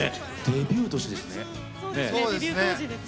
デビュー年ですね。